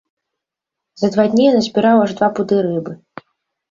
За два дні я назбіраў аж два пуды рыбы.